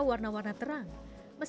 karena ada sayapnya